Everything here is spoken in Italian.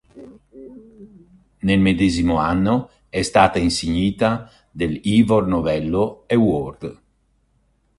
Nel medesimo anno è stata insignita dell'Ivor Novello Award.